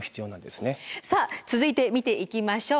さあ続いて見ていきましょう。